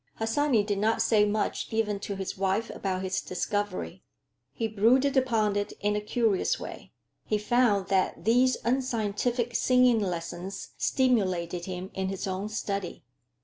Harsanyi did not say much even to his wife about his discovery. He brooded upon it in a curious way. He found that these unscientific singing lessons stimulated him in his own study.